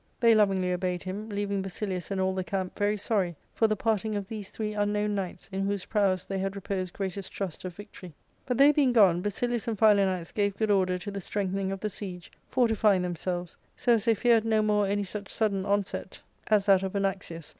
They lovingly " obeyed him, leaving Basilius and all the camp very sorry for the parting of these three unknown knights, in whose prowess they had reposed greatest trust of victory. But they being gone, Basilius and Philanax gave good order to the strengthening of the siege, fortifying themselves, so as they feared no more any such sudden onset as that of ARCADIA,— Book III. 335 Anaxius.